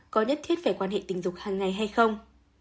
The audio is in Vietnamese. có nhất thiết phải quan hệ tình dục hàng ngày hay không